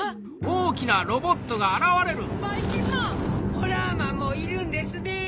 ホラーマンもいるんですねぇ。